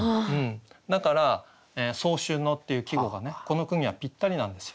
だから「早春の」っていう季語がねこの句にはぴったりなんですよ。